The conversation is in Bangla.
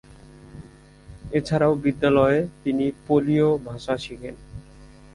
এছাড়াও, বিদ্যালয়ে তিনি পোলীয় ভাষা শিখেন।